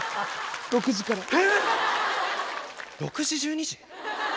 ６時１２時？